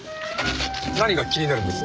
何が気になるんです？